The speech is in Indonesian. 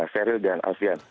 serial dan asian